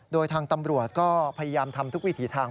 โดยทางตำรวจก็พยายามทำทุกวิถีทาง